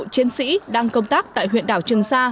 chiến sĩ đang công tác tại huyện đảo trường sa